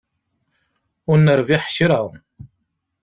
Ur nerbiḥ kra.